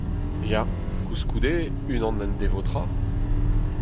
Ya… Koulskoude, unan n'en devo tra ?